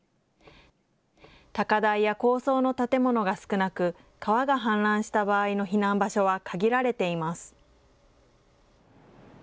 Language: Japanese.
高台や高層の建物が少なく、川が氾濫した場合の避難場所は限られています。